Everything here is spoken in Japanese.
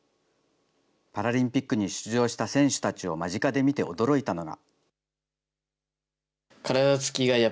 パラリンピックに出場した選手たちを間近で見て驚いたのが。